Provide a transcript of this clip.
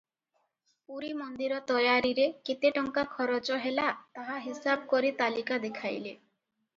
ପୁରୀ ମନ୍ଦିର ତୟାରିରେ କେତେ ଟଙ୍କା ଖରଚ ହେଲା, ତାହା ହିସାବ କରି ତାଲିକା ଦେଖାଇଲେ ।